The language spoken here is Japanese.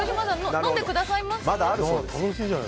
飲んでくださいます？